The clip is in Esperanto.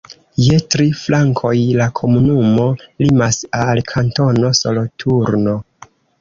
Je tri flankoj la komunumo limas al Kantono Soloturno.